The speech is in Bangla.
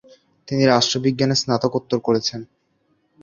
তিনি রাষ্ট্রবিজ্ঞানে স্নাতকোত্তর করেছেন।